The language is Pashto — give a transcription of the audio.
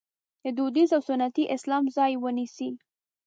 د دودیز او سنتي اسلام ځای ونیسي.